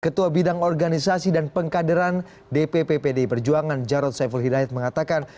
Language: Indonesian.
ketua bidang organisasi dan pengkaderan dpp pdi perjuangan jarod saiful hidayat mengatakan